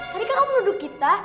tadi kan om nuduk kita